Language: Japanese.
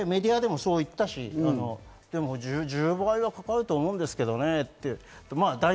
メディアでもそう言ったし、でも１０倍はかかると思うんですけどねと。